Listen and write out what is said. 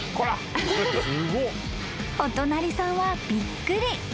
［お隣さんはびっくり］